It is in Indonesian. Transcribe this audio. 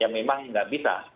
ya memang tidak bisa